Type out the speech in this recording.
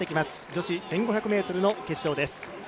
女子１５００ｍの決勝です。